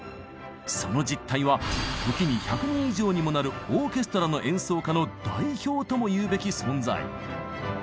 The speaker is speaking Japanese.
その実態は時に１００人以上にもなるオーケストラの演奏家の代表ともいうべき存在。